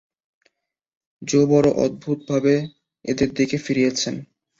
জো বড় অদ্ভুতভাবে তাঁদের এদিকে ফিরিয়েছেন।